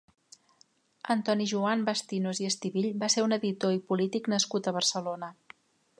Antoni Joan Bastinos i Estivill va ser un editor i polític nascut a Barcelona.